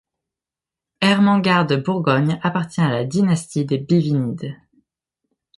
Ermengarde de Bourgogne appartient à la dynastie des Bivinides.